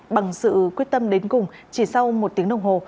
bằng sự quyết tâm đến cùng chỉ sau một tiếng đồng hồ